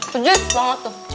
tujuh banget tuh